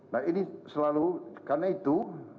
nah ini selalu karena itu